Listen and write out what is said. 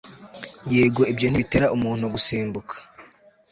Yego ibyo ntibitera umuntu gusimbuka